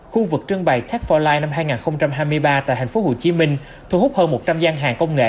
khu vực trưng bày tech bốn line năm hai nghìn hai mươi ba tại tp hcm thu hút hơn một trăm linh gian hàng công nghệ